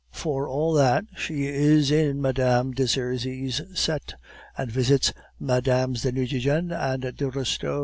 For all that, she is in Madame de Serizy's set, and visits Mesdames de Nucingen and de Restaud.